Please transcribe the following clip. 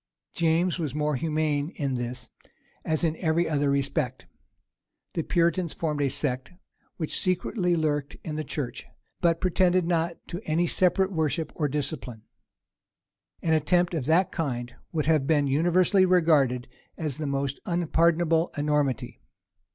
James was more humane in this, as in every other respect. The Puritans formed a sect which secretly lurked in the church, but pretended not to any separate worship or discipline. An attempt of that kind would have been universally regarded as the most unpardonable enormity.